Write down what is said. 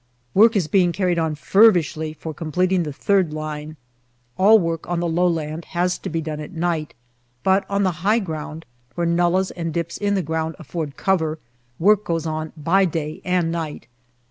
Work is being carried on feverishly for completing the third line. All work on the low ground has to be done at night, but on the high ground, where nullahs and dips in the ground afford cover, work goes on by day and night.